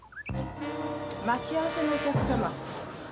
待ち合わせのお客様？